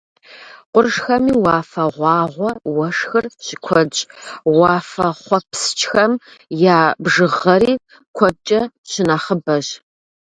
Къуршхэми уафэгъуагъуэ уэшхыр щыкуэдщ, уафэхъуэпскӏхэм я бжыгъэри куэдкӏэ щынэхъыбэщ.